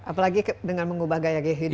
apalagi dengan mengubah gaya gaya hidup